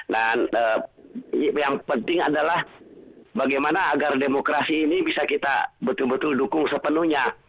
dan yang penting adalah bagaimana agar demokrasi ini bisa kita betul betul dukung sepenuhnya